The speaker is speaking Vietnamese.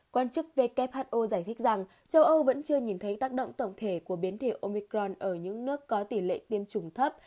quan chức who giải thích rằng châu âu vẫn chưa nhìn thấy tác động tổng thể của biến thể omicron ở những nước có tỷ lệ tiêm chủng thấp